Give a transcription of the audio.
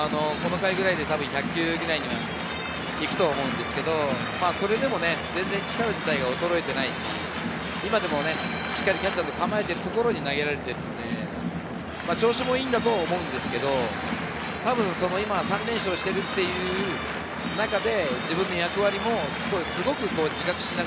この回くらいで１００球くらい行くと思うんですけど、それでも全然、力自体は衰えていないし、今でもしっかりキャッチャーの構えているところに投げられているので調子もいいんだと思うんですけど、たぶん今３連勝しているっていう中で自分の役割をすごく自覚しな